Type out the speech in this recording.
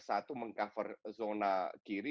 satu meng cover zona kiri